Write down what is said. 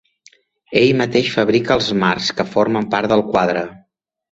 Ell mateix fabrica els marcs, que formen part del quadre.